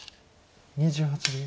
２８秒。